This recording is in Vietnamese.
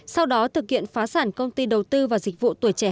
sau đó thực hiện phá sản công ty đầu tư và dịch vụ tuổi trẻ hà nội